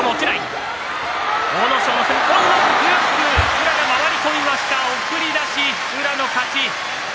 宇良が回り込みました送り出し、宇良の勝ち。